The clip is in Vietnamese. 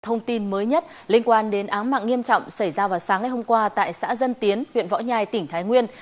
thông tin mới nhất liên quan đến áng mạng nghiêm trọng xảy ra vào sáng ngày hôm qua tại xã dân tiến huyện võ nhai tỉnh thái nguyên